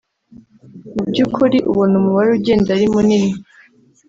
Mu by’ukuri ubona umubare ugenda ari munini